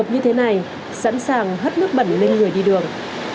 trường hợp như thế này sẵn sàng hất nước bẩn lên người đi đường